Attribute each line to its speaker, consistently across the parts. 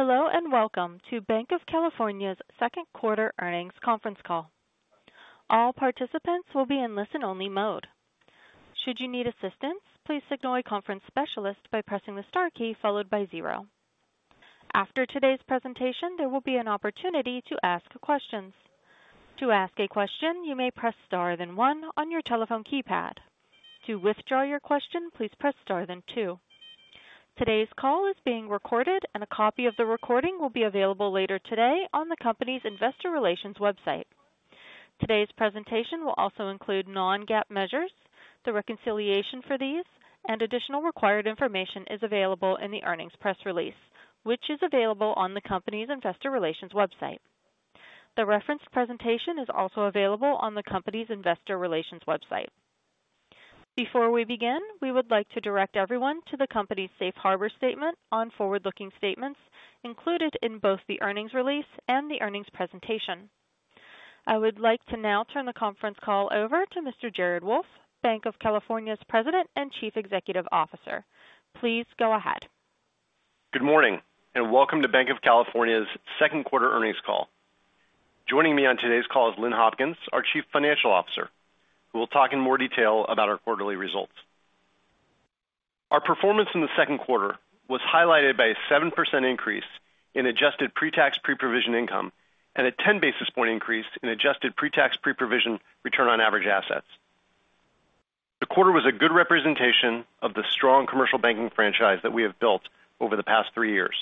Speaker 1: Hello, and welcome to Banc of California’s second quarter earnings conference call. All participants will be in listen-only mode. Should you need assistance, please signal a conference specialist by pressing the star key followed by zero. After today’s presentation, there will be an opportunity to ask questions. To ask a question, you may press star then one on your telephone keypad. To withdraw your question, please press star then two. Today’s call is being recorded, and a copy of the recording will be available later today on the company’s investor relations website. Today’s presentation will also include non-GAAP measures. The reconciliation for these and additional required information is available in the earnings press release, which is available on the company’s investor relations website. The reference presentation is also available on the company’s Investor Relations website. Before we begin, we would like to direct everyone to the company's Safe Harbor statement on forward-looking statements included in both the earnings release and the earnings presentation. I would like to now turn the conference call over to Mr. Jared Wolff, Banc of California's President and Chief Executive Officer. Please go ahead.
Speaker 2: Good morning, and welcome to Banc of California's second quarter earnings call. Joining me on today's call is Lynn Hopkins, our Chief Financial Officer, who will talk in more detail about our quarterly results. Our performance in the second quarter was highlighted by a 7% increase in adjusted pre-tax, pre-provision income and a 10 basis points increase in adjusted pre-tax, pre-provision return on average assets. The quarter was a good representation of the strong commercial banking franchise that we have built over the past three years.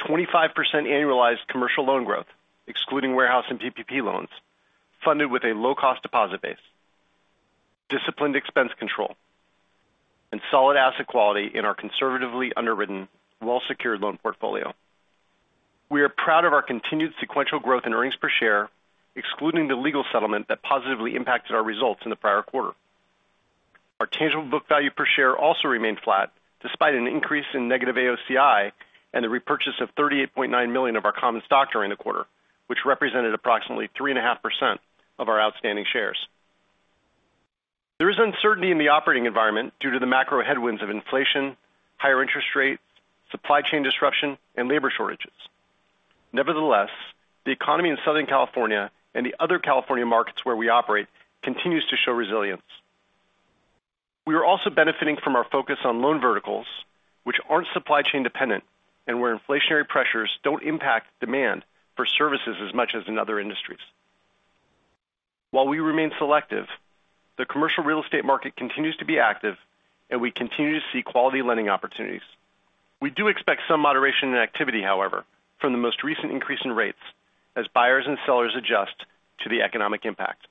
Speaker 2: 25% annualized commercial loan growth, excluding warehouse and PPP loans, funded with a low-cost deposit base, disciplined expense control, and solid asset quality in our conservatively underwritten, well-secured loan portfolio. We are proud of our continued sequential growth in earnings per share, excluding the legal settlement that positively impacted our results in the prior quarter. Our tangible book value per share also remained flat despite an increase in negative AOCI and the repurchase of 38.9 million of our common stock during the quarter, which represented approximately 3.5% of our outstanding shares. There is uncertainty in the operating environment due to the macro headwinds of inflation, higher interest rates, supply chain disruption, and labor shortages. Nevertheless, the economy in Southern California and the other California markets where we operate continues to show resilience. We are also benefiting from our focus on loan verticals which aren't supply chain dependent and where inflationary pressures don't impact demand for services as much as in other industries. While we remain selective, the commercial real estate market continues to be active, and we continue to see quality lending opportunities. We do expect some moderation in activity, however, from the most recent increase in rates as buyers and sellers adjust to the economic impact.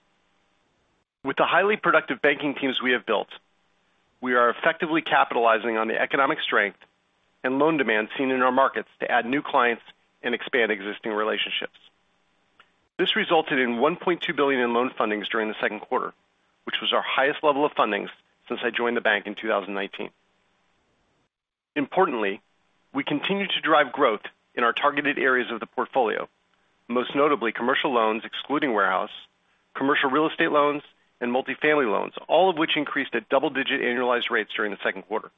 Speaker 2: With the highly productive banking teams we have built, we are effectively capitalizing on the economic strength and loan demand seen in our markets to add new clients and expand existing relationships. This resulted in $1.2 billion in loan fundings during the second quarter, which was our highest level of fundings since I joined the bank in 2019. Importantly, we continue to drive growth in our targeted areas of the portfolio, most notably commercial loans excluding warehouse, commercial real estate loans, and multifamily loans, all of which increased at double-digit annualized rates during the second quarter.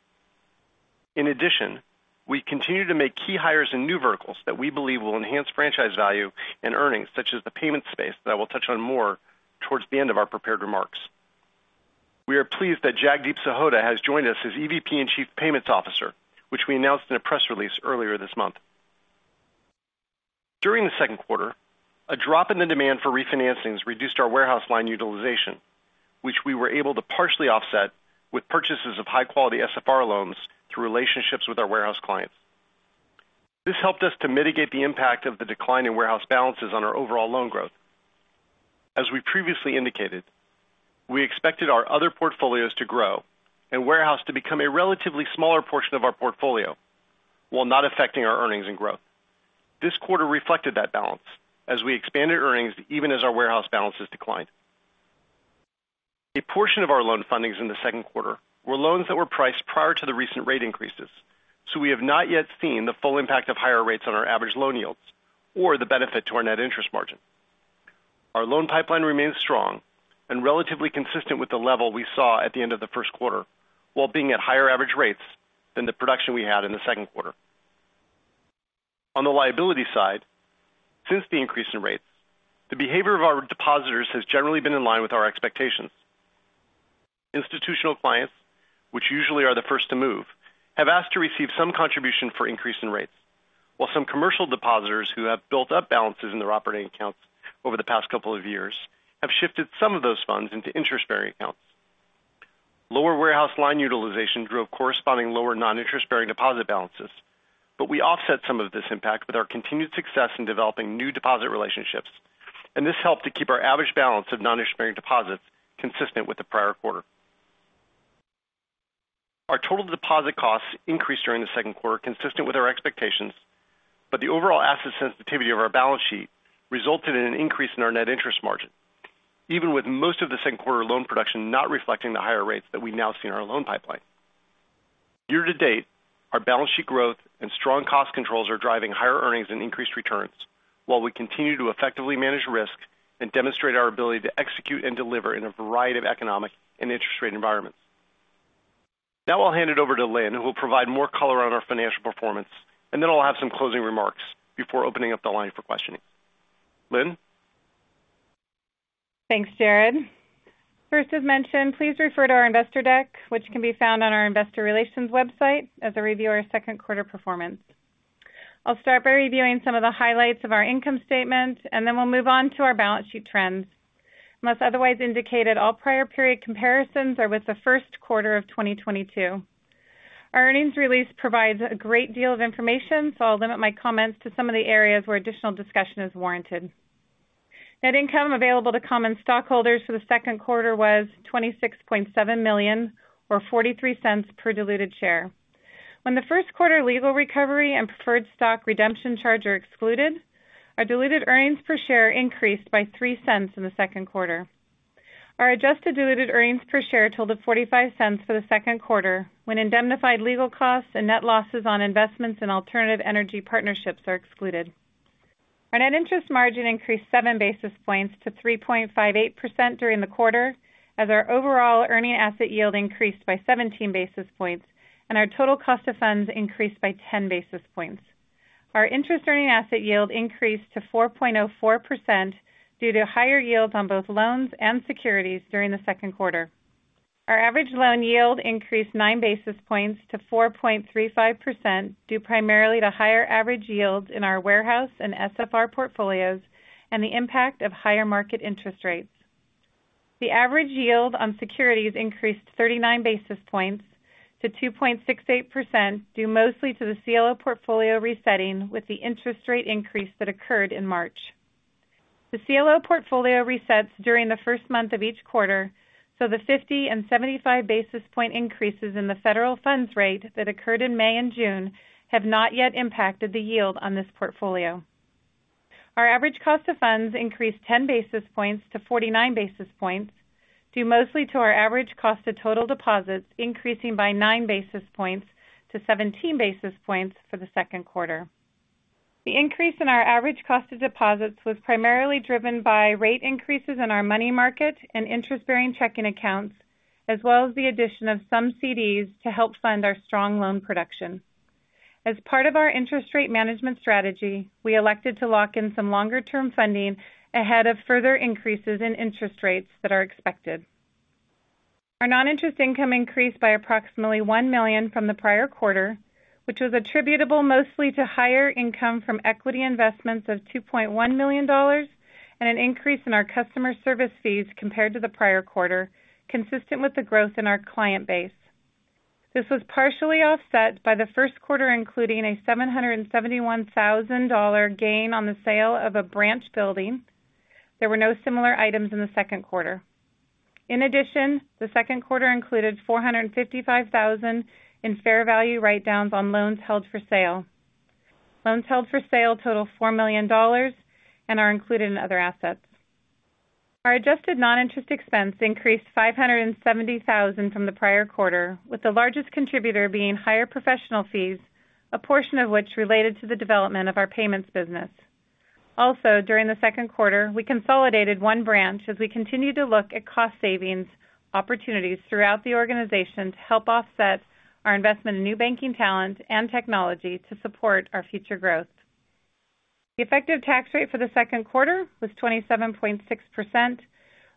Speaker 2: In addition, we continue to make key hires in new verticals that we believe will enhance franchise value and earnings, such as the payment space that I will touch on more towards the end of our prepared remarks. We are pleased that Jagdeep Sahota has joined us as EVP and Chief Payments Officer, which we announced in a press release earlier this month. During the second quarter, a drop in the demand for refinancings reduced our warehouse line utilization, which we were able to partially offset with purchases of high-quality SFR loans through relationships with our warehouse clients. This helped us to mitigate the impact of the decline in warehouse balances on our overall loan growth. As we previously indicated, we expected our other portfolios to grow and warehouse to become a relatively smaller portion of our portfolio while not affecting our earnings and growth. This quarter reflected that balance as we expanded earnings even as our warehouse balances declined. A portion of our loan fundings in the second quarter were loans that were priced prior to the recent rate increases, so we have not yet seen the full impact of higher rates on our average loan yields or the benefit to our net interest margin. Our loan pipeline remains strong and relatively consistent with the level we saw at the end of the first quarter while being at higher average rates than the production we had in the second quarter. On the liability side, since the increase in rates, the behavior of our depositors has generally been in line with our expectations. Institutional clients, which usually are the first to move, have asked to receive some contribution for increase in rates. While some commercial depositors who have built up balances in their operating accounts over the past couple of years have shifted some of those funds into interest-bearing accounts. Lower warehouse line utilization drove corresponding lower non-interest-bearing deposit balances. We offset some of this impact with our continued success in developing new deposit relationships, and this helped to keep our average balance of non-interest-bearing deposits consistent with the prior quarter. Our total deposit costs increased during the second quarter, consistent with our expectations, but the overall asset sensitivity of our balance sheet resulted in an increase in our net interest margin, even with most of the second quarter loan production not reflecting the higher rates that we now see in our loan pipeline. Year to date, our balance sheet growth and strong cost controls are driving higher earnings and increased returns while we continue to effectively manage risk and demonstrate our ability to execute and deliver in a variety of economic and interest rate environments. Now I'll hand it over to Lynn, who will provide more color on our financial performance, and then I'll have some closing remarks before opening up the line for questioning. Lynn?
Speaker 3: Thanks, Jared. First, as mentioned, please refer to our investor deck, which can be found on our investor relations website as I review our second quarter performance. I'll start by reviewing some of the highlights of our income statement, and then we'll move on to our balance sheet trends. Unless otherwise indicated, all prior period comparisons are with the first quarter of 2022. Our earnings release provides a great deal of information, so I'll limit my comments to some of the areas where additional discussion is warranted. Net income available to common stockholders for the second quarter was $26.7 million or $0.43 per diluted share. When the first quarter legal recovery and preferred stock redemption charge are excluded, our diluted earnings per share increased by $0.03 in the second quarter. Our adjusted diluted earnings per share totaled $0.45 for the second quarter when indemnified legal costs and net losses on investments in alternative energy partnerships are excluded. Our net interest margin increased 7 basis points to 3.58% during the quarter as our overall earning asset yield increased by 17 basis points and our total cost of funds increased by 10 basis points. Our interest earning asset yield increased to 4.04% due to higher yields on both loans and securities during the second quarter. Our average loan yield increased 9 basis points to 4.35% due primarily to higher average yields in our warehouse and SFR portfolios and the impact of higher market interest rates. The average yield on securities increased 39 basis points to 2.68% due mostly to the CLO portfolio resetting with the interest rate increase that occurred in March. The CLO portfolio resets during the first month of each quarter, so the 50 and 75 basis point increases in the federal funds rate that occurred in May and June have not yet impacted the yield on this portfolio. Our average cost of funds increased 10 basis points to 49 basis points due mostly to our average cost of total deposits increasing by 9 basis points to 17 basis points for the second quarter. The increase in our average cost of deposits was primarily driven by rate increases in our money market and interest-bearing checking accounts, as well as the addition of some CDs to help fund our strong loan production. As part of our interest rate management strategy, we elected to lock in some longer-term funding ahead of further increases in interest rates that are expected. Our non-interest income increased by approximately $1 million from the prior quarter, which was attributable mostly to higher income from equity investments of $2.1 million and an increase in our customer service fees compared to the prior quarter, consistent with the growth in our client base. This was partially offset by the first quarter including a $771,000 gain on the sale of a branch building. There were no similar items in the second quarter. In addition, the second quarter included $455,000 in fair value write-downs on loans held for sale. Loans held for sale total $4 million and are included in other assets. Our adjusted non-interest expense increased $570,000 from the prior quarter, with the largest contributor being higher professional fees, a portion of which related to the development of our payments business. Also, during the second quarter, we consolidated one branch as we continue to look at cost savings opportunities throughout the organization to help offset our investment in new banking talent and technology to support our future growth. The effective tax rate for the second quarter was 27.6%,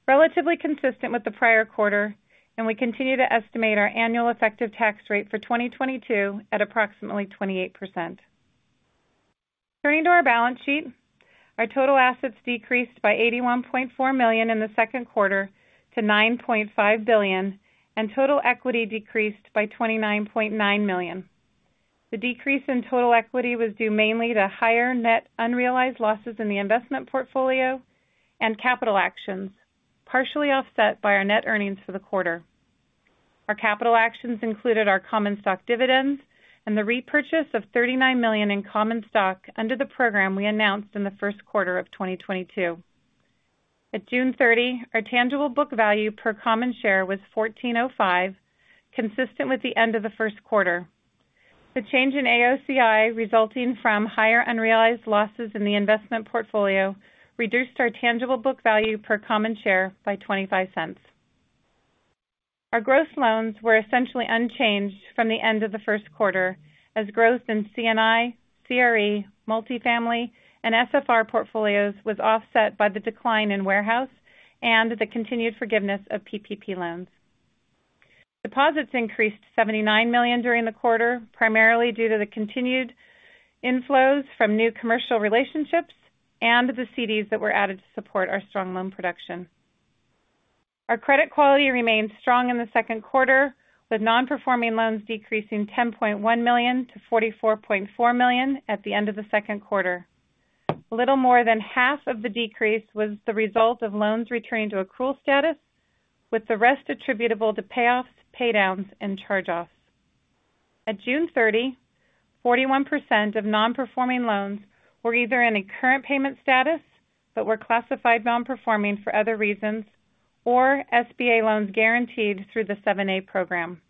Speaker 3: relatively consistent with the prior quarter, and we continue to estimate our annual effective tax rate for 2022 at approximately 28%. Turning to our balance sheet, our total assets decreased by $81.4 million in the second quarter to $9.5 billion, and total equity decreased by $29.9 million. The decrease in total equity was due mainly to higher net unrealized losses in the investment portfolio and capital actions, partially offset by our net earnings for the quarter. Our capital actions included our common stock dividends and the repurchase of $39 million in common stock under the program we announced in the first quarter of 2022. At June 30, our tangible book value per common share was $14.05, consistent with the end of the first quarter. The change in AOCI resulting from higher unrealized losses in the investment portfolio reduced our tangible book value per common share by $0.25. Our gross loans were essentially unchanged from the end of the first quarter as growth in C&I, CRE, multifamily, and SFR portfolios was offset by the decline in warehouse and the continued forgiveness of PPP loans. Deposits increased $79 million during the quarter, primarily due to the continued inflows from new commercial relationships and the CDs that were added to support our strong loan production. Our credit quality remained strong in the second quarter, with non-performing loans decreasing $10.1 million to $44.4 million at the end of the second quarter. A little more than half of the decrease was the result of loans returning to accrual status, with the rest attributable to payoffs, paydowns, and charge-offs. At June 30, 41% of non-performing loans were either in a current payment status but were classified non-performing for other reasons or SBA loans guaranteed through the 7(a) program.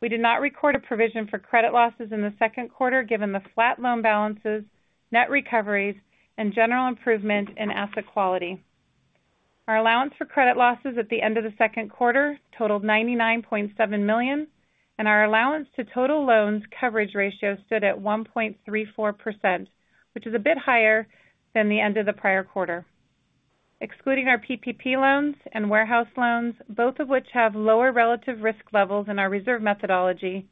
Speaker 3: We did not record a provision for credit losses in the second quarter, given the flat loan balances, net recoveries, and general improvement in asset quality. Our allowance for credit losses at the end of the second quarter totaled $99.7 million, and our allowance to total loans coverage ratio stood at 1.34%, which is a bit higher than the end of the prior quarter. Excluding our PPP loans and warehouse loans, both of which have lower relative risk levels in our reserve methodology,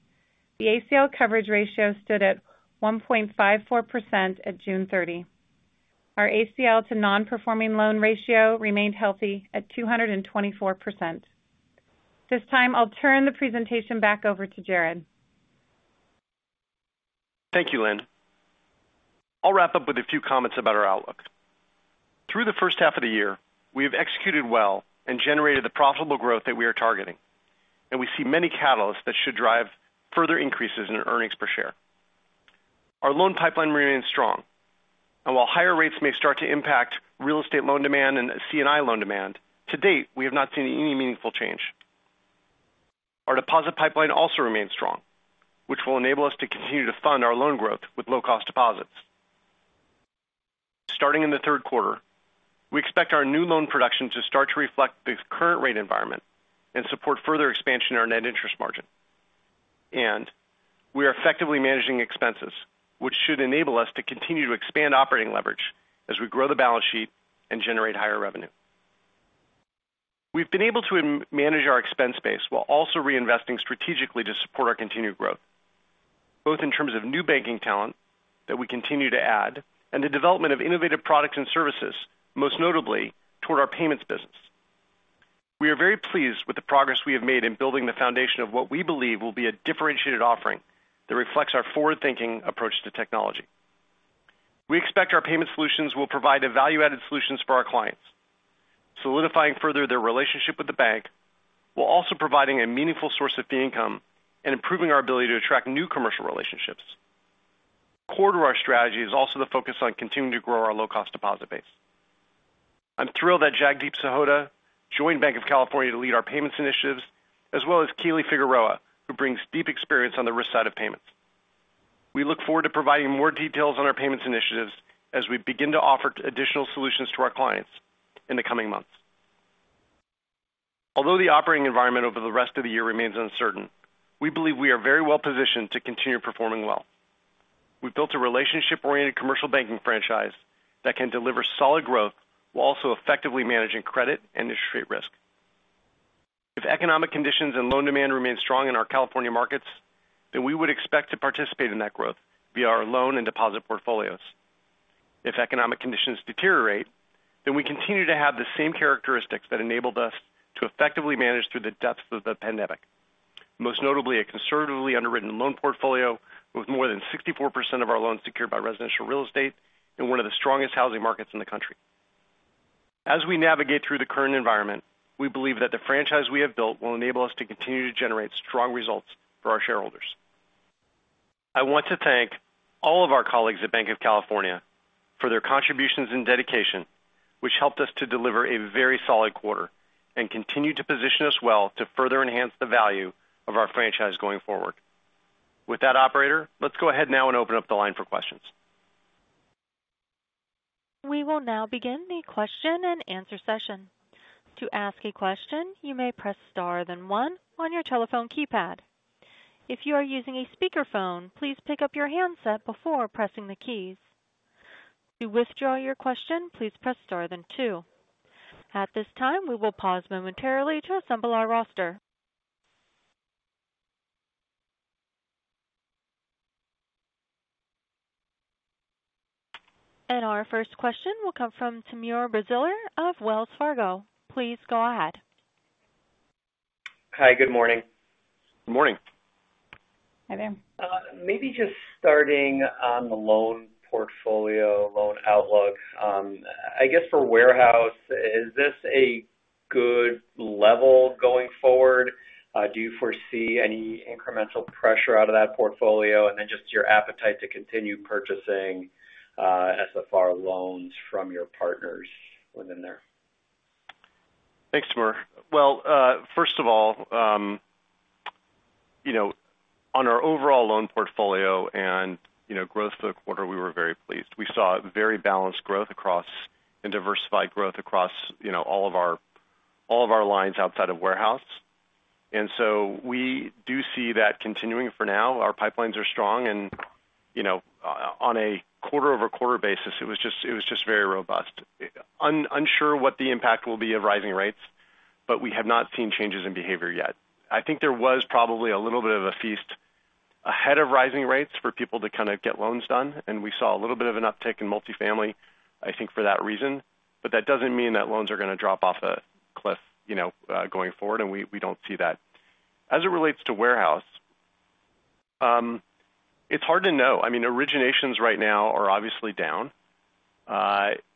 Speaker 3: the ACL coverage ratio stood at 1.54% at June 30. Our ACL to non-performing loan ratio remained healthy at 224%. This time, I'll turn the presentation back over to Jared.
Speaker 2: Thank you, Lynn. I'll wrap up with a few comments about our outlook. Through the first half of the year, we have executed well and generated the profitable growth that we are targeting, and we see many catalysts that should drive further increases in earnings per share. Our loan pipeline remains strong, and while higher rates may start to impact real estate loan demand and C&I loan demand, to date, we have not seen any meaningful change. Our deposit pipeline also remains strong, which will enable us to continue to fund our loan growth with low-cost deposits. Starting in the third quarter, we expect our new loan production to start to reflect the current rate environment and support further expansion in our net interest margin. We are effectively managing expenses, which should enable us to continue to expand operating leverage as we grow the balance sheet and generate higher revenue. We've been able to manage our expense base while also reinvesting strategically to support our continued growth, both in terms of new banking talent that we continue to add and the development of innovative products and services, most notably toward our payments business. We are very pleased with the progress we have made in building the foundation of what we believe will be a differentiated offering that reflects our forward-thinking approach to technology. We expect our payment solutions will provide value-added solutions for our clients, solidifying further their relationship with the bank, while also providing a meaningful source of fee income and improving our ability to attract new commercial relationships. Core to our strategy is also the focus on continuing to grow our low-cost deposit base. I'm thrilled that Jagdeep Sahota joined Banc of California to lead our payments initiatives, as well as Kali Figueroa, who brings deep experience on the risk side of payments. We look forward to providing more details on our payments initiatives as we begin to offer additional solutions to our clients in the coming months. Although the operating environment over the rest of the year remains uncertain, we believe we are very well positioned to continue performing well. We've built a relationship-oriented commercial banking franchise that can deliver solid growth while also effectively managing credit and interest rate risk. If economic conditions and loan demand remain strong in our California markets, then we would expect to participate in that growth via our loan and deposit portfolios. If economic conditions deteriorate, then we continue to have the same characteristics that enabled us to effectively manage through the depths of the pandemic, most notably a conservatively underwritten loan portfolio with more than 64% of our loans secured by residential real estate in one of the strongest housing markets in the country. As we navigate through the current environment, we believe that the franchise we have built will enable us to continue to generate strong results for our shareholders. I want to thank all of our colleagues at Banc of California for their contributions and dedication, which helped us to deliver a very solid quarter and continue to position us well to further enhance the value of our franchise going forward. With that operator, let's go ahead now and open up the line for questions.
Speaker 1: We will now begin the question-and-answer session. To ask a question, you may press star then one on your telephone keypad. If you are using a speakerphone, please pick up your handset before pressing the keys. To withdraw your question, please press star then two. At this time, we will pause momentarily to assemble our roster. Our first question will come from Timur Braziler of Wells Fargo. Please go ahead.
Speaker 4: Hi. Good morning.
Speaker 2: Good morning.
Speaker 3: Hi there.
Speaker 4: Maybe just starting on the loan portfolio, loan outlook. I guess for warehouse, is this a good level going forward? Do you foresee any incremental pressure out of that portfolio? Just your appetite to continue purchasing SFR loans from your partners within there.
Speaker 2: Thanks, Timur. Well, first of all, you know, on our overall loan portfolio and, you know, growth through the quarter, we were very pleased. We saw very balanced and diversified growth across, you know, all of our lines outside of warehouse. We do see that continuing for now. Our pipelines are strong and, you know, on a quarter-over-quarter basis, it was just very robust. Unsure what the impact will be of rising rates, but we have not seen changes in behavior yet. I think there was probably a little bit of a feast ahead of rising rates for people to kind of get loans done, and we saw a little bit of an uptick in multifamily, I think, for that reason. That doesn't mean that loans are going to drop off a cliff, you know, going forward, and we don't see that. As it relates to warehouse, it's hard to know. I mean, originations right now are obviously down.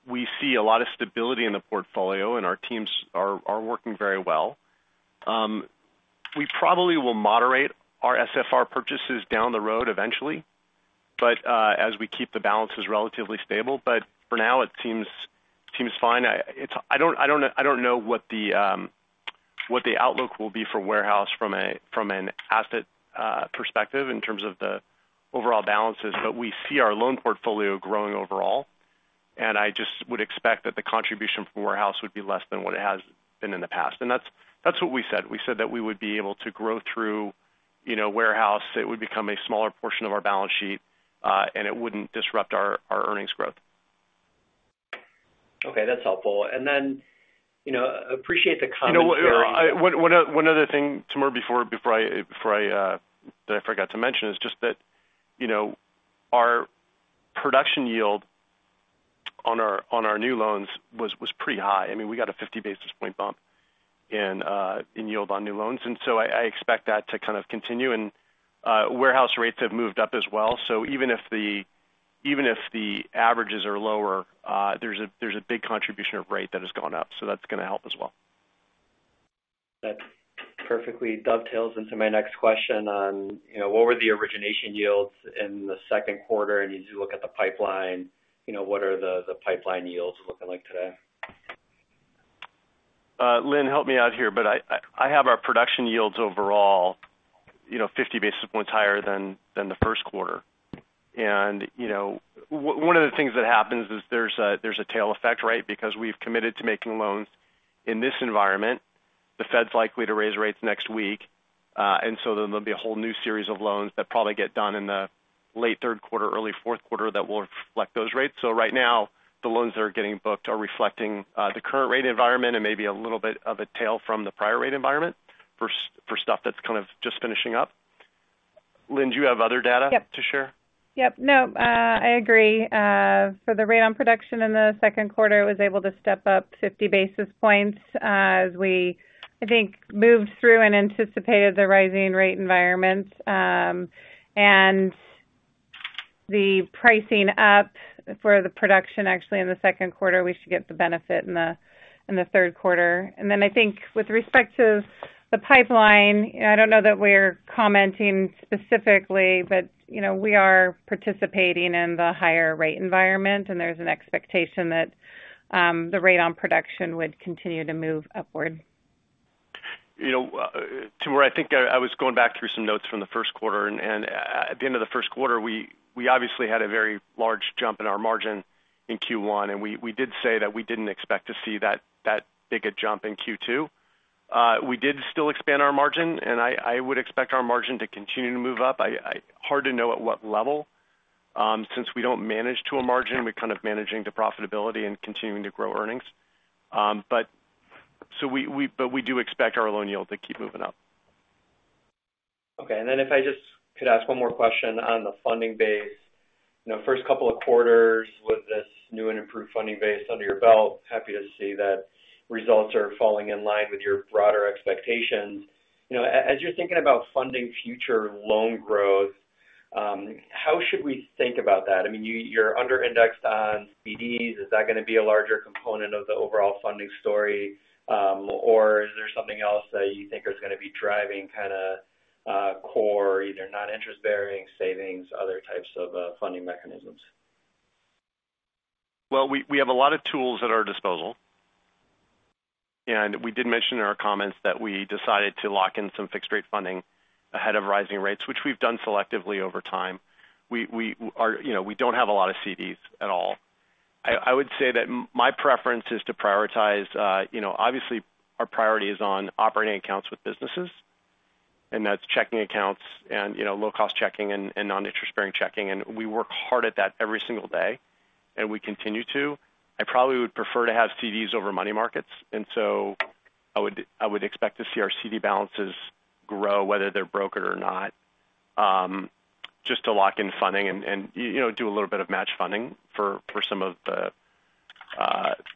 Speaker 2: We see a lot of stability in the portfolio, and our teams are working very well. We probably will moderate our SFR purchases down the road eventually. As we keep the balances relatively stable. For now, it seems fine. I don't know what the outlook will be for warehouse from an asset perspective in terms of the overall balances. We see our loan portfolio growing overall. I just would expect that the contribution from warehouse would be less than what it has been in the past. That's what we said. We said that we would be able to grow through, you know, warehouse. It would become a smaller portion of our balance sheet, and it wouldn't disrupt our earnings growth.
Speaker 4: Okay, that's helpful. You know, appreciate the comments around.
Speaker 2: You know what? One other thing, Timur, that I forgot to mention is just that, you know, our production yield on our new loans was pretty high. I mean, we got a 50 basis point bump in yield on new loans. Warehouse rates have moved up as well. Even if the averages are lower, there's a big contribution of rate that has gone up, so that's gonna help as well.
Speaker 4: That perfectly dovetails into my next question on, you know, what were the origination yields in the second quarter? As you look at the pipeline, you know, what are the pipeline yields looking like today?
Speaker 2: Lynn, help me out here, but I have our production yields overall, you know, 50 basis points higher than the first quarter. You know, one of the things that happens is there's a tail effect, right? Because we've committed to making loans in this environment. The Fed's likely to raise rates next week. Then there'll be a whole new series of loans that probably get done in the late third quarter, early fourth quarter that will reflect those rates. Right now, the loans that are getting booked are reflecting the current rate environment and maybe a little bit of a tail from the prior rate environment for stuff that's kind of just finishing up. Lynn, do you have other data?
Speaker 3: Yep.
Speaker 2: to share?
Speaker 3: Yep. No, I agree. The rate on production in the second quarter was able to step up 50 basis points, as we, I think, moved through and anticipated the rising rate environment. The pricing up for the production actually in the second quarter, we should get the benefit in the third quarter. Then I think with respect to the pipeline, I don't know that we're commenting specifically, but you know, we are participating in the higher rate environment, and there's an expectation that the rate on production would continue to move upward.
Speaker 2: You know, Timur, I think I was going back through some notes from the first quarter, and at the end of the first quarter, we obviously had a very large jump in our margin in Q1. We did say that we didn't expect to see that big a jump in Q2. We did still expand our margin, and I would expect our margin to continue to move up. Hard to know at what level, since we don't manage to a margin. We're kind of managing to profitability and continuing to grow earnings. We do expect our loan yield to keep moving up.
Speaker 4: Okay. Then if I just could ask one more question on the funding base. You know, first couple of quarters with this new and improved funding base under your belt, happy to see that results are falling in line with your broader expectations. You know, as you're thinking about funding future loan growth, how should we think about that? I mean, you're under-indexed on CDs. Is that gonna be a larger component of the overall funding story? Or is there something else that you think is gonna be driving kind of core, either non-interest-bearing, savings, other types of funding mechanisms?
Speaker 2: Well, we have a lot of tools at our disposal. We did mention in our comments that we decided to lock in some fixed rate funding ahead of rising rates, which we've done selectively over time. We are you know, we don't have a lot of CDs at all. I would say that my preference is to prioritize you know, obviously our priority is on operating accounts with businesses, and that's checking accounts and you know, low cost checking and non-interest bearing checking. We work hard at that every single day, and we continue to. I probably would prefer to have CDs over money markets, and so I would expect to see our CD balances grow, whether they're brokered or not, just to lock in funding and, you know, do a little bit of match funding for some of the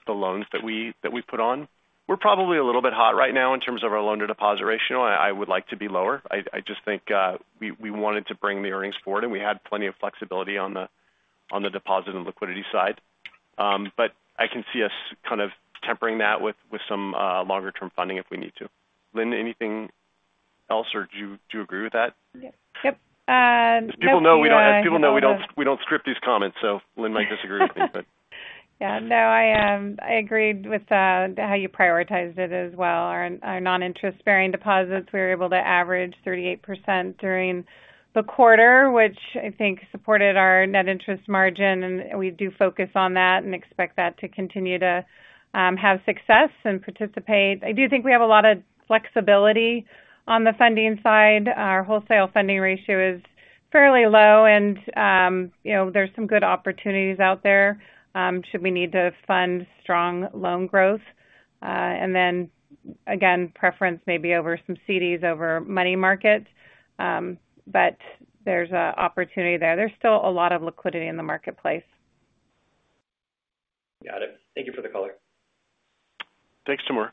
Speaker 2: loans that we put on. We're probably a little bit hot right now in terms of our loan-to-deposit ratio. I would like to be lower. I just think we wanted to bring the earnings forward, and we had plenty of flexibility on the deposit and liquidity side. But I can see us kind of tempering that with some longer term funding if we need to. Lynn, anything else, or do you agree with that?
Speaker 3: Yep. Yep.
Speaker 2: As people know, we don't script these comments, so Lynn might disagree with me, but.
Speaker 3: Yeah, no, I agreed with how you prioritized it as well. Our non-interest bearing deposits, we were able to average 38% during the quarter, which I think supported our net interest margin, and we do focus on that and expect that to continue to have success and participate. I do think we have a lot of flexibility on the funding side. Our wholesale funding ratio is fairly low, and you know, there's some good opportunities out there should we need to fund strong loan growth. And then again, preference may be over some CDs over money markets, but there's a opportunity there. There's still a lot of liquidity in the marketplace.
Speaker 4: Got it. Thank you for the color.
Speaker 2: Thanks, Timur.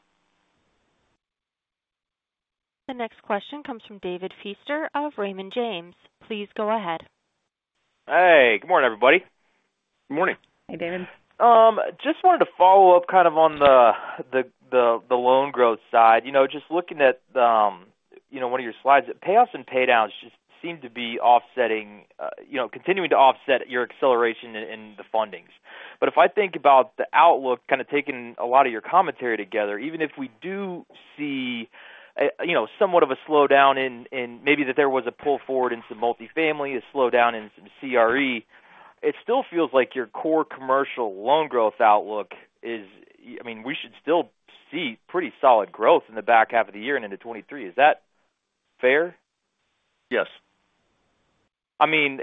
Speaker 1: The next question comes from David Feaster of Raymond James. Please go ahead.
Speaker 5: Hey, good morning, everybody. Good morning.
Speaker 2: Hi, David.
Speaker 5: Just wanted to follow up kind of on the loan growth side. You know, just looking at, you know, one of your slides, payoffs and pay downs just seem to be offsetting, you know, continuing to offset your acceleration in the fundings. If I think about the outlook, kind of taking a lot of your commentary together, even if we do see somewhat of a slowdown in maybe that there was a pull forward in some multifamily, a slowdown in some CRE, it still feels like your core commercial loan growth outlook is. I mean, we should still see pretty solid growth in the back half of the year and into 2023. Is that fair?
Speaker 2: Yes.
Speaker 5: I mean,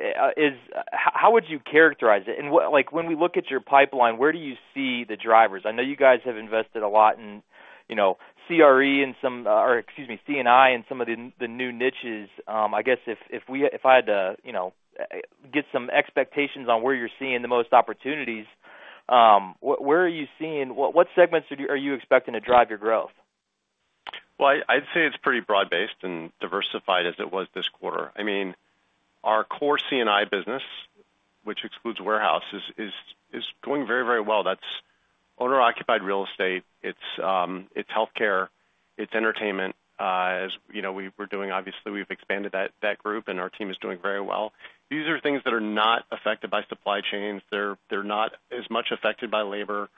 Speaker 5: how would you characterize it? Like, when we look at your pipeline, where do you see the drivers? I know you guys have invested a lot in, you know, CRE and some, or excuse me, C&I and some of the new niches. I guess if I had to, you know, get some expectations on where you're seeing the most opportunities, what segments are you expecting to drive your growth?
Speaker 2: Well, I'd say it's pretty broad-based and diversified as it was this quarter. I mean, our core C&I business, which excludes warehouse, is going very, very well. That's owner-occupied real estate. It's healthcare. It's entertainment. As you know, we're doing obviously, we've expanded that group, and our team is doing very well. These are things that are not affected by supply chains. They're not as much affected by labor,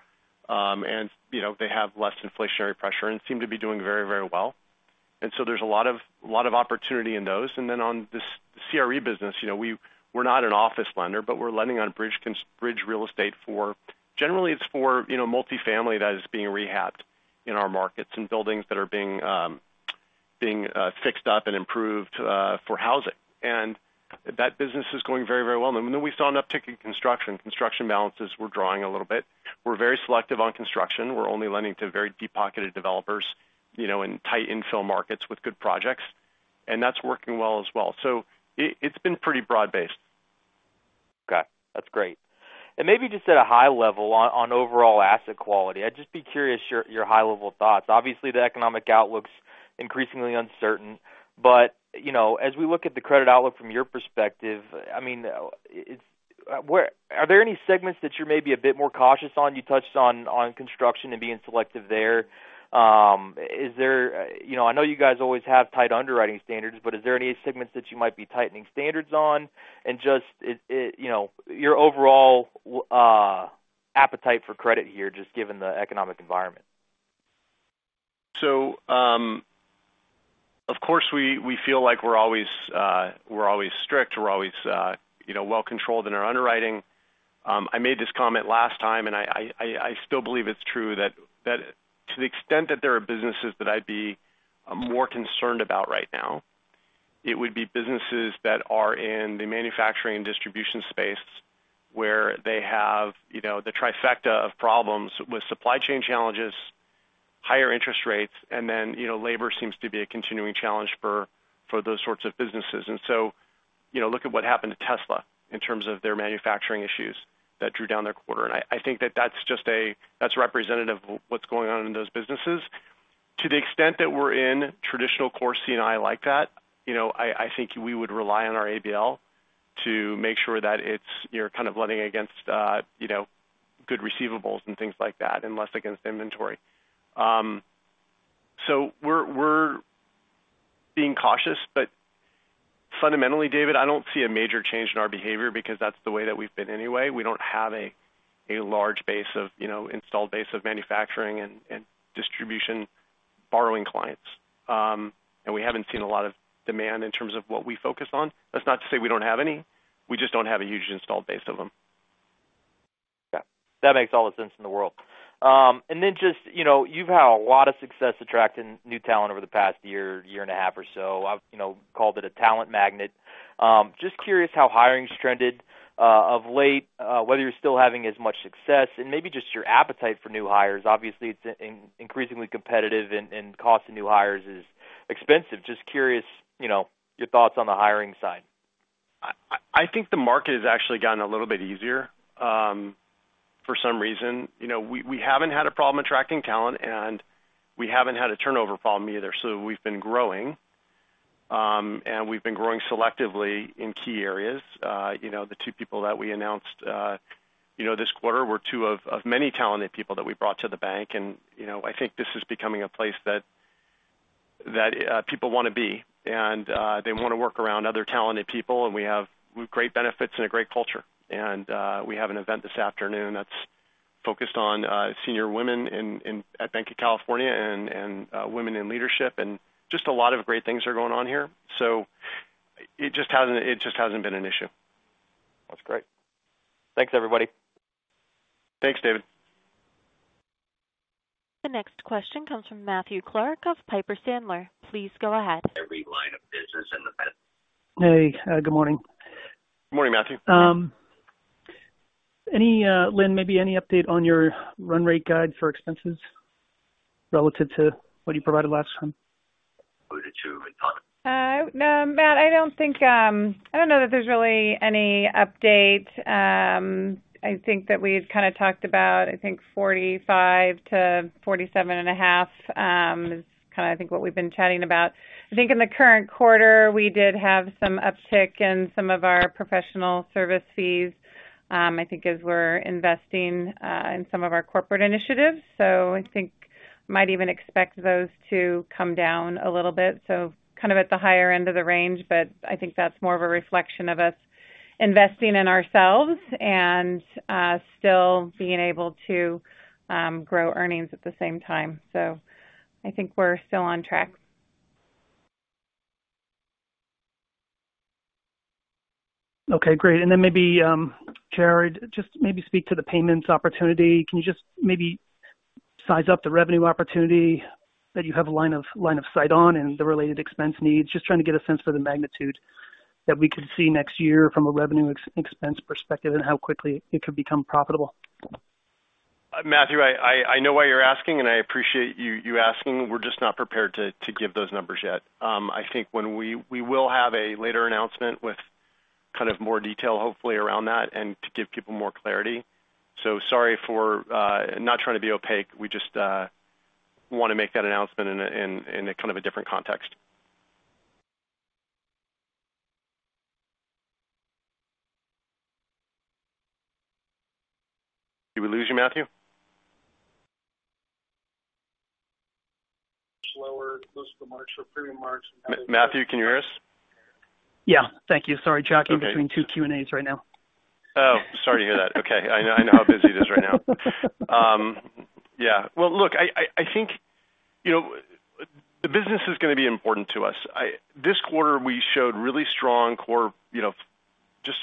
Speaker 2: and you know, they have less inflationary pressure and seem to be doing very, very well. There's a lot of opportunity in those. On this CRE business, you know, we're not an office lender, but we're lending on bridge real estate for. Generally, it's for, you know, multifamily that is being rehabbed in our markets and buildings that are being fixed up and improved for housing. That business is going very, very well. We saw an uptick in construction. Construction balances were drawing a little bit. We're very selective on construction. We're only lending to very deep-pocketed developers, you know, in tight infill markets with good projects, and that's working well as well. It's been pretty broad-based.
Speaker 5: Okay, that's great. Maybe just at a high level on overall asset quality, I'd just be curious your high-level thoughts. Obviously, the economic outlook's increasingly uncertain, but you know, as we look at the credit outlook from your perspective, I mean, are there any segments that you're maybe a bit more cautious on? You touched on construction and being selective there. Is there? You know, I know you guys always have tight underwriting standards, but is there any segments that you might be tightening standards on? Just it you know, your overall appetite for credit here, just given the economic environment.
Speaker 2: Of course, we feel like we're always strict. We're always, you know, well controlled in our underwriting. I made this comment last time, and I still believe it's true that to the extent that there are businesses that I'd be more concerned about right now, it would be businesses that are in the manufacturing and distribution space where they have, you know, the trifecta of problems with supply chain challenges, higher interest rates, and then, you know, labor seems to be a continuing challenge for those sorts of businesses. You know, look at what happened to Tesla in terms of their manufacturing issues that drew down their quarter. I think that's just representative of what's going on in those businesses. To the extent that we're in traditional core C&I like that, you know, I think we would rely on our ABL to make sure that we're kind of lending against, you know, good receivables and things like that, and less against inventory. We're being cautious, but fundamentally, David, I don't see a major change in our behavior because that's the way that we've been anyway. We don't have a large base of, you know, installed base of manufacturing and distribution borrowing clients. We haven't seen a lot of demand in terms of what we focus on. That's not to say we don't have any. We just don't have a huge installed base of them.
Speaker 5: Yeah. That makes all the sense in the world. Just, you know, you've had a lot of success attracting new talent over the past year and a half or so. I've, you know, called it a talent magnet. Just curious how hiring's trended of late, whether you're still having as much success and maybe just your appetite for new hires. Obviously, it's increasingly competitive and cost of new hires is expensive. Just curious, you know, your thoughts on the hiring side.
Speaker 2: I think the market has actually gotten a little bit easier for some reason. You know, we haven't had a problem attracting talent, and we haven't had a turnover problem either. We've been growing, and we've been growing selectively in key areas. You know, the two people that we announced this quarter were two of many talented people that we brought to the bank. You know, I think this is becoming a place that people wanna be, and they wanna work around other talented people. We have great benefits and a great culture. We have an event this afternoon that's focused on senior women at Banc of California and women in leadership. Just a lot of great things are going on here. It just hasn't been an issue.
Speaker 5: That's great. Thanks, everybody.
Speaker 2: Thanks, David.
Speaker 1: The next question comes from Matthew Clark of Piper Sandler. Please go ahead.
Speaker 6: Every line of business. Hey, good morning.
Speaker 2: Good morning, Matthew.
Speaker 6: Lynn, maybe any update on your run rate guide for expenses relative to what you provided last time?
Speaker 3: No, Matt, I don't know that there's really any update. I think that we've kind of talked about 45%-47.5%, I think, is kind of I think what we've been chatting about. I think in the current quarter, we did have some uptick in some of our professional service fees, I think as we're investing in some of our corporate initiatives. I think we might even expect those to come down a little bit. Kind of at the higher end of the range, but I think that's more of a reflection of us investing in ourselves and still being able to grow earnings at the same time. I think we're still on track.
Speaker 6: Okay, great. Maybe Jared, speak to the payments opportunity. Can you size up the revenue opportunity that you have line of sight on and the related expense needs? Just trying to get a sense for the magnitude that we could see next year from a revenue expense perspective and how quickly it could become profitable.
Speaker 2: Matthew, I know why you're asking, and I appreciate you asking. We're just not prepared to give those numbers yet. I think when we will have a later announcement with kind of more detail, hopefully around that and to give people more clarity. Sorry for not trying to be opaque. We just want to make that announcement in a kind of a different context. Did we lose you, Matthew?
Speaker 6: Slower, close to the mark, so premium marks.
Speaker 2: Matthew, can you hear us?
Speaker 6: Yeah. Thank you. Sorry.
Speaker 2: Okay.
Speaker 6: Jockeying between two Q&As right now.
Speaker 2: Oh, sorry to hear that. Okay. I know how busy it is right now. Yeah. Well, look, I think, you know, the business is going to be important to us. This quarter, we showed really strong core, you know, just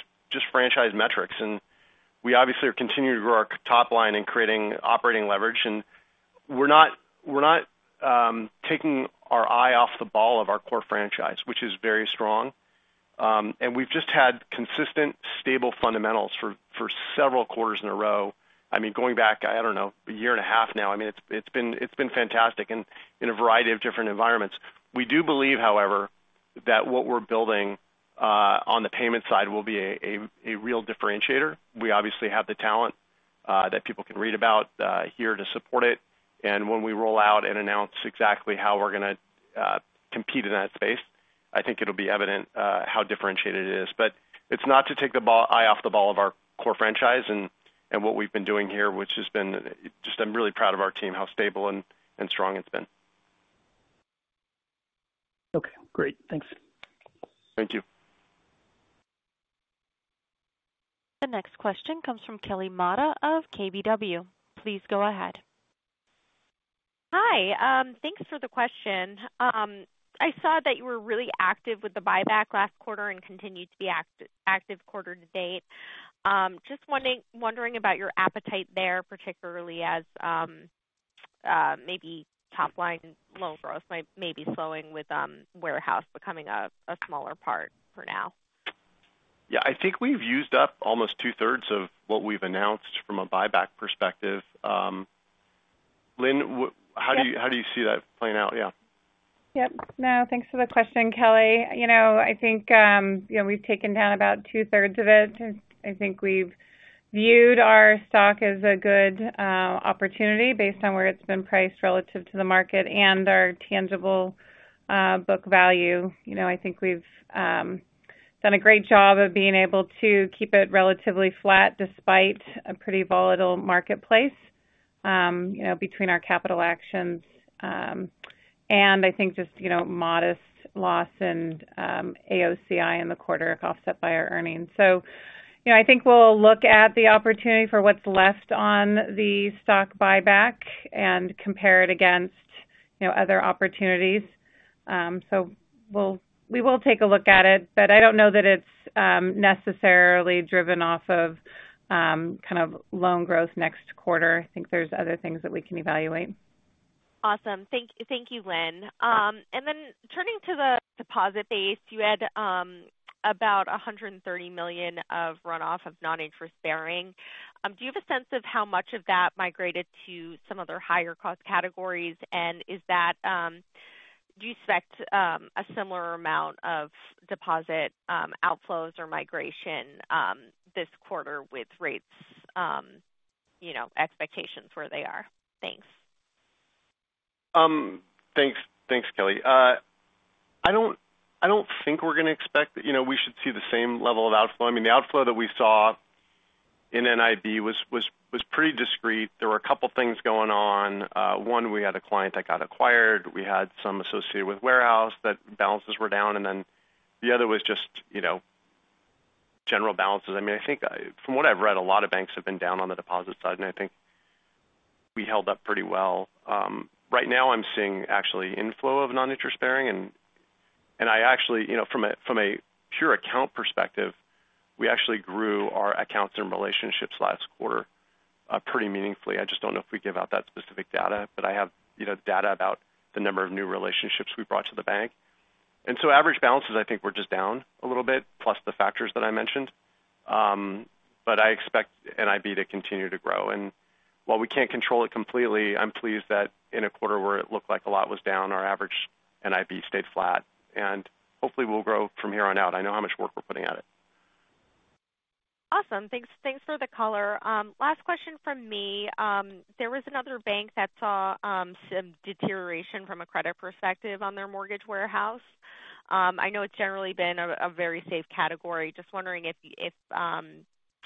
Speaker 2: franchise metrics. We obviously are continuing to grow our top line and creating operating leverage. We're not taking our eye off the ball of our core franchise, which is very strong. We've just had consistent, stable fundamentals for several quarters in a row. I mean, going back, I don't know, a year and a half now. I mean, it's been fantastic and in a variety of different environments. We do believe, however, that what we're building on the payment side will be a real differentiator. We obviously have the talent that people can read about here to support it. When we roll out and announce exactly how we're going to compete in that space, I think it'll be evident how differentiated it is. It's not to take our eye off the ball of our core franchise and what we've been doing here, which has been just I'm really proud of our team, how stable and strong it's been.
Speaker 6: Okay, great. Thanks.
Speaker 2: Thank you.
Speaker 1: The next question comes from Kelly Motta of KBW. Please go ahead.
Speaker 7: Hi. Thanks for the question. I saw that you were really active with the buyback last quarter and continued to be active quarter to date. Just wondering about your appetite there, particularly as maybe top line loan growth may be slowing with warehouse becoming a smaller part for now.
Speaker 2: Yeah. I think we've used up almost 2/3 of what we've announced from a buyback perspective. Lynn.
Speaker 3: Yep.
Speaker 2: How do you see that playing out? Yeah.
Speaker 3: Yep. No, thanks for the question, Kelly. You know, I think, you know, we've taken down about 2/3 of it. I think we've viewed our stock as a good opportunity based on where it's been priced relative to the market and our tangible book value. You know, I think we've done a great job of being able to keep it relatively flat despite a pretty volatile marketplace, you know, between our capital actions, and I think just, you know, modest loss and AOCI in the quarter offset by our earnings. You know, I think we'll look at the opportunity for what's left on the stock buyback and compare it against, you know, other opportunities. We will take a look at it, but I don't know that it's necessarily driven off of kind of loan growth next quarter. I think there's other things that we can evaluate. Awesome. Thank you. Thank you, Lynn. Turning to the deposit base, you had about $130 million of runoff of non-interest-bearing. Do you have a sense of how much of that migrated to some other higher cost categories? Is that, do you expect a similar amount of deposit outflows or migration this quarter with rates, you know, expectations where they are? Thanks.
Speaker 2: Thanks. Thanks, Kelly. I don't think we're going to expect that, you know, we should see the same level of outflow. I mean, the outflow that we saw in NIB was pretty discrete. There were a couple of things going on. One, we had a client that got acquired. We had some associated with warehouse that balances were down, and then the other was just, you know, general balances. I mean, I think from what I've read, a lot of banks have been down on the deposit side, and I think we held up pretty well. Right now I'm seeing actually inflow of non-interest bearing. I actually, you know, from a pure account perspective, we actually grew our accounts and relationships last quarter, pretty meaningfully. I just don't know if we give out that specific data, but I have, you know, data about the number of new relationships we brought to the bank. Average balances I think were just down a little bit plus the factors that I mentioned. I expect NIB to continue to grow. While we can't control it completely, I'm pleased that in a quarter where it looked like a lot was down, our average NIB stayed flat. Hopefully we'll grow from here on out. I know how much work we're putting at it.
Speaker 7: Awesome. Thanks for the color. Last question from me. There was another bank that saw some deterioration from a credit perspective on their mortgage warehouse. I know it's generally been a very safe category. Just wondering if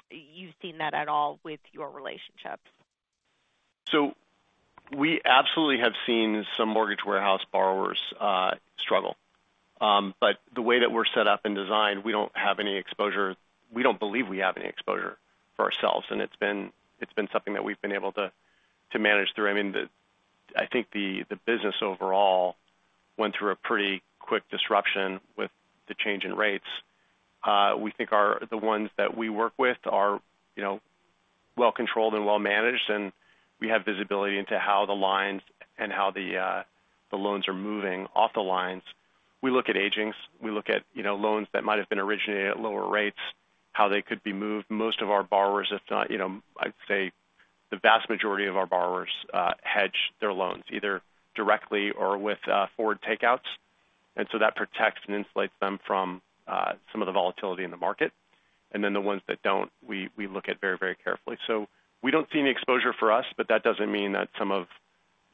Speaker 7: you've seen that at all with your relationships.
Speaker 2: We absolutely have seen some mortgage warehouse borrowers struggle. The way that we're set up and designed, we don't have any exposure. We don't believe we have any exposure for ourselves, and it's been something that we've been able to manage through. I mean, I think the business overall went through a pretty quick disruption with the change in rates. We think the ones that we work with are, you know, well controlled and well managed, and we have visibility into how the lines and how the loans are moving off the lines. We look at agings. We look at, you know, loans that might have been originated at lower rates, how they could be moved. Most of our borrowers, if not, you know, I'd say the vast majority of our borrowers hedge their loans either directly or with forward takeouts. That protects and insulates them from some of the volatility in the market. The ones that don't, we look at very, very carefully. We don't see any exposure for us, but that doesn't mean that some of,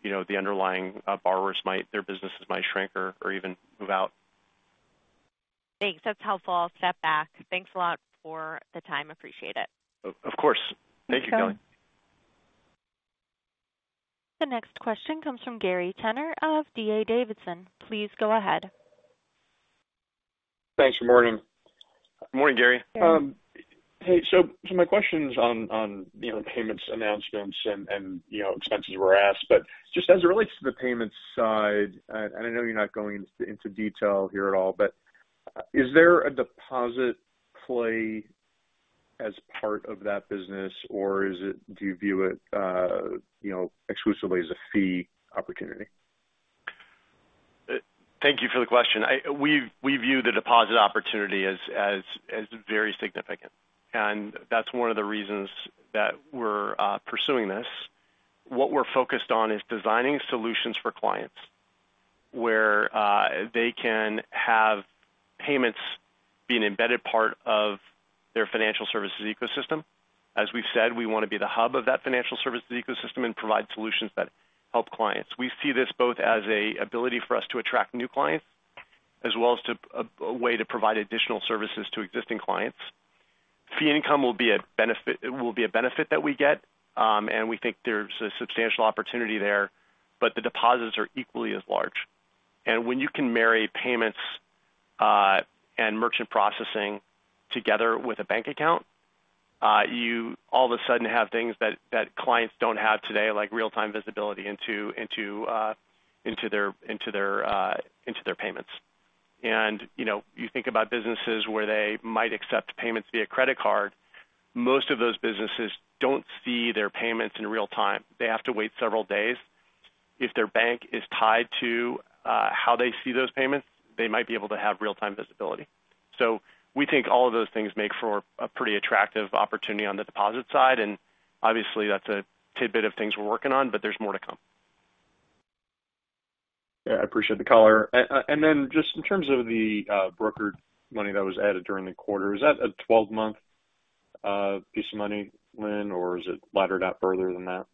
Speaker 2: you know, the underlying borrowers might. Their businesses might shrink or even move out.
Speaker 7: Thanks. That's helpful. I'll step back. Thanks a lot for the time. Appreciate it.
Speaker 2: Of course. Thank you, Kelly.
Speaker 1: The next question comes from Gary Tenner of D.A. Davidson. Please go ahead.
Speaker 8: Thanks. Good morning.
Speaker 2: Good morning, Gary.
Speaker 8: My question's on you know payments announcements and you know expenses were asked, but just as it relates to the payments side, and I know you're not going into detail here at all, but is there a deposit play as part of that business, or do you view it you know exclusively as a fee opportunity?
Speaker 2: Thank you for the question. We view the deposit opportunity as very significant. That's one of the reasons that we're pursuing this. What we're focused on is designing solutions for clients where they can have payments be an embedded part of their financial services ecosystem. As we've said, we wanna be the hub of that financial services ecosystem and provide solutions that help clients. We see this both as an ability for us to attract new clients as well as a way to provide additional services to existing clients. Fee income will be a benefit, it will be a benefit that we get, and we think there's a substantial opportunity there, but the deposits are equally as large. When you can marry payments and merchant processing together with a bank account, you all of a sudden have things that clients don't have today, like real-time visibility into their payments. You know, you think about businesses where they might accept payments via credit card, most of those businesses don't see their payments in real time. They have to wait several days. If their bank is tied to how they see those payments, they might be able to have real-time visibility. We think all of those things make for a pretty attractive opportunity on the deposit side, and obviously that's a tidbit of things we're working on, but there's more to come.
Speaker 8: Yeah, I appreciate the color. Then just in terms of the brokered money that was added during the quarter, is that a 12-month piece of money, Lynn, or is it laddered out further than that?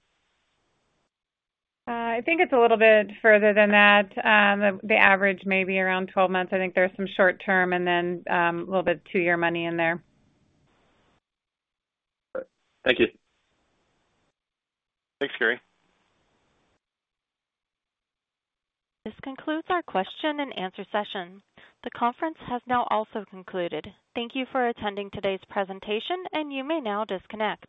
Speaker 3: I think it's a little bit further than that. The average may be around 12 months. I think there's some short term and then, a little bit of two-year money in there.
Speaker 8: All right. Thank you.
Speaker 2: Thanks, Gary.
Speaker 1: This concludes our question and answer session. The conference has now also concluded. Thank you for attending today's presentation, and you may now disconnect.